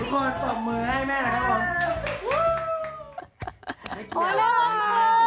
ทุกคนสอบมือให้แม่นะครับผม